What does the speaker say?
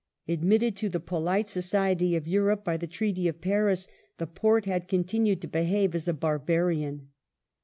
Admitted to the polite society of Europe by the Treaty of Paris, the Porte had continued to behave as a bar barian.